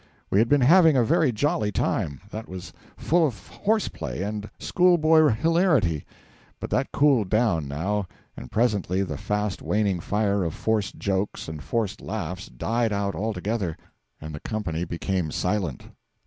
We had been having a very jolly time, that was full of horse play and school boy hilarity; but that cooled down now, and presently the fast waning fire of forced jokes and forced laughs died out altogether, and the company became silent.